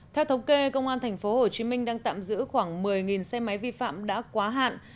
theo thống kê công an tp hcm đang tạm giữ khoảng một mươi xe máy vi phạm đã quá hạn